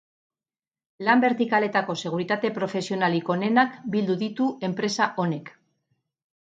Lan bertikaletako seguritate profesionalik onenak bildu ditu enpresa honek.